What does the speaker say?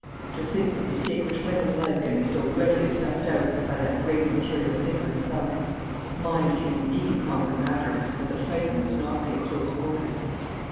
To think that the sacred flame of life can be so readily snuffed out by that great material finger and thumb! Mind can indeed conquer matter, but the fighting must not be at close quarters.'